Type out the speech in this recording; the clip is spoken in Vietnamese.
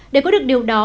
để có được điều đó